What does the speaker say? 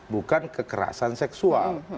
bukan kekerasan seksual